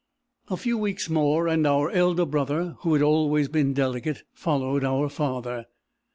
"A few weeks more, and our elder brother, who had always been delicate, followed our father.